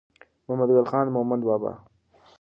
محمد ګل خان مومند بابا